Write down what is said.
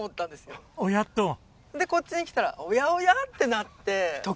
っと。でこっちに来たらおやおや？ってなって。